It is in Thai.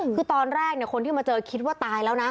คือตอนแรกคนที่มาเจอคิดว่าตายแล้วนะ